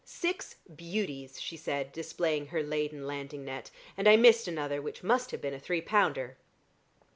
"Six beauties," she said, displaying her laden landing net, "and I missed another which must have been a three pounder.